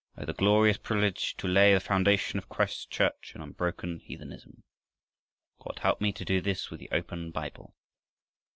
Oh, the glorious privilege to lay the foundation of Christ's Church in unbroken heathenism! God help me to do this with the open Bible!